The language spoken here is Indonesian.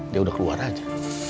dia udah keluar aja